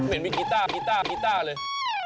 เหม็นมีกีต้าเลย